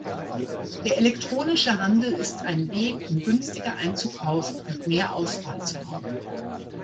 Der elektronische Handel ist ein Weg, um günstiger einzukaufen und mehr Auswahl zu haben.